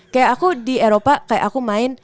kayak aku di eropa kayak aku main